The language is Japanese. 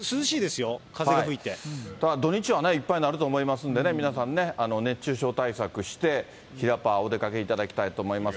土日はね、いっぱいになると思いますんでね、皆さんね、熱中症対策して、ひらパー、お出かけいただきたいと思います。